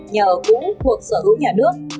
nhà ở cũ thuộc sở hữu nhà nước